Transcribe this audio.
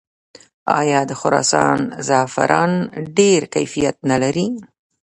آیا د خراسان زعفران ډیر کیفیت نلري؟